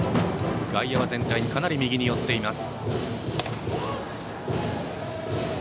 外野は全体にかなり右に寄っています。